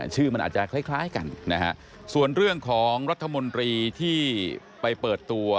ชื่อมันอาจจะคล้ายกันนะฮะส่วนเรื่องของรัฐมนตรีที่ไปเปิดตัว